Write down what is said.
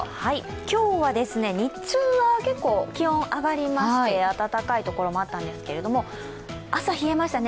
今日は日中は結構気温が上がりまして暖かいところもあったんですけれども、朝日得ましたね。